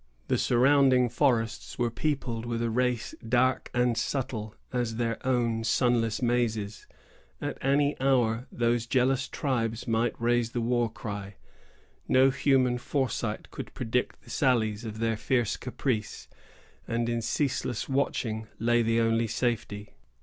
The surrounding forests were peopled with a race dark and subtle as their own sunless mazes. At any hour, those jealous tribes might raise the war cry. No human foresight could predict the sallies of their fierce caprice, and in ceaseless watching lay the only safety.